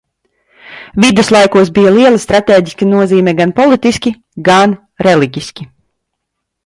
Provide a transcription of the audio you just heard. Viduslaikos bija liela stratēģiska nozīme gan politiski, gan reliģiski.